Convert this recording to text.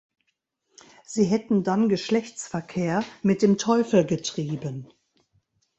Sie hätten dann Geschlechtsverkehr mit dem Teufel getrieben.